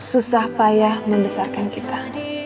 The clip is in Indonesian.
susah payah membesarkan kita